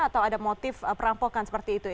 atau ada motif perampokan seperti itu ya